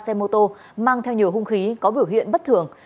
các đối tượng đi trên ba xe mô tử mang theo nhiều hung khí có biểu hiện bất thường